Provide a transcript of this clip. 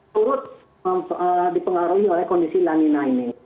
turut dipengaruhi oleh kondisi lanina ini